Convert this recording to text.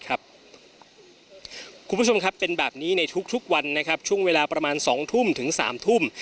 คุณผู้ชมครับเป็นแบบนี้ในทุกวันนะครับช่วงเวลาประมาณ๒ทุ่มถึง๓ทุ่ม